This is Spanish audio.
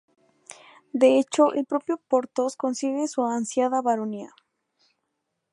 De hecho, el propio Porthos consigue su ansiada Baronía.